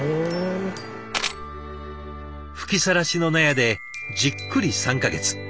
吹きさらしの納屋でじっくり３か月。